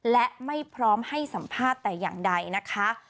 และไม่พร้อมให้สัมภาษณ์แต่อย่างใดนะคะ